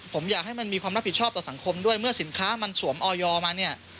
ผมอยากให้มันมีความรับผิดชอบต่อสังคมด้วยเมื่อสินค้ามันสวมออยมาเนี่ย